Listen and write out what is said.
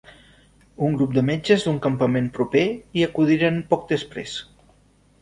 Un grup de metges d'un campament proper hi acudiren poc després.